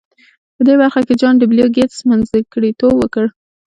په دې برخه کې جان ډبلیو ګیټس منځګړیتوب وکړ